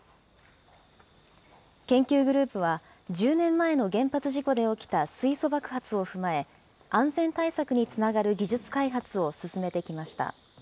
研究グループは、１０年前の原発事故で起きた水素爆発を踏まえ、安全対策につながる技術開発を進めてきました。